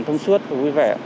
thông suốt và vui vẻ